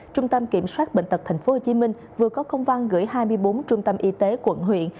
trung tâm kiểm soát bệnh tật tp hcm vừa có công văn gửi hai mươi bốn trung tâm y tế quận huyện